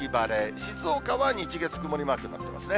静岡は日、月、曇りマークになってますね。